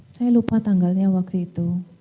saya lupa tanggalnya waktu itu